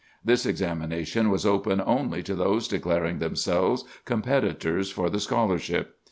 This examination was open only to those declaring themselves competitors for the scholarship.